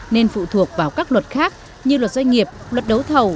nên phụ thuộc vào các luật khác như luật doanh nghiệp luật đấu thầu